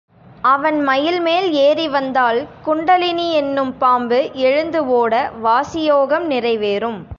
அவன் மயில் மேல் ஏறி வந்தால் குண்டலினியென்னும் பாம்பு எழுந்து ஒட, வாசியோகம் நிறைவேறும்.